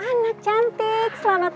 anak cantik selamat pagi